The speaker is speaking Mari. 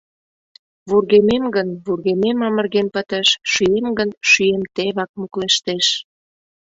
«Вургемем гын, вургемем амырген пытыш, шӱем гын, шӱем тевак муклештеш.